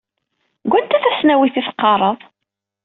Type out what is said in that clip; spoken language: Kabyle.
Deg wanta tasnawit i teqqareḍ?